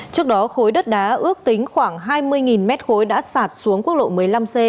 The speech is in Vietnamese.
trước đó khối đất đá ước tính khoảng hai mươi m ba đã sạt xuống quốc lộ một mươi năm c